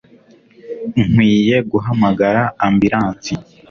Nkwiye guhamagara ambilansi